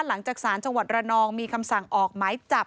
หลังจากสารจังหวัดระนองมีคำสั่งออกหมายจับ